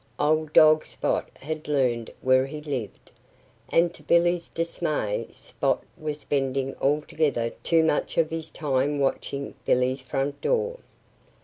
Old dog Spot had learned where he lived; and to Billy's dismay Spot was spending altogether too much of his time watching Billy's front door.